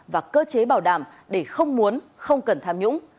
và cơ chế bảo đảm để không muốn không cần tham nhũng